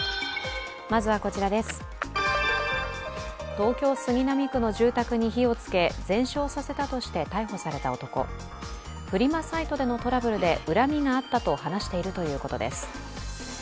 東京・杉並区の住宅に火をつけ全焼させたとして逮捕された男フリマサイトでのトラブルで恨みがあったと話しているということです。